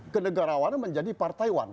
ke negarawannya menjadi partaiwan